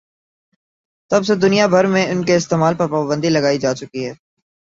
تب سے دنیا بھر میں ان کے استعمال پر پابندی لگائی جاچکی ہے